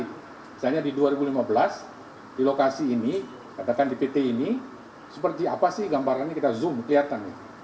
misalnya di dua ribu lima belas di lokasi ini katakan di pt ini seperti apa sih gambarannya kita zoom kelihatan